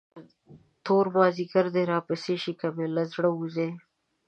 تور مازدیګر دې راپسې شي، که مې له زړه وځې.